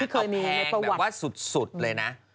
คือเพลงแบบว่าสุดเลยนะ